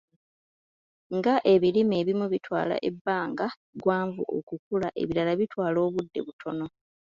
Nga ebirime ebimu bitwala ebbanga ggwanvu okukula, ebirala bitwala obudde butono.